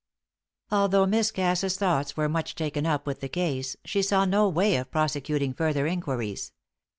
Although Miss Cass's thoughts were much taken up with the case, she saw no way of prosecuting further inquiries.